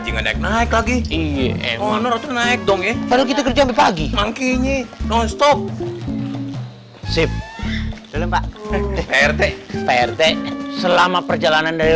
naik naik lagi iya naik dong ya kita kerja pagi pagi nonstop sip sip selama perjalanan dari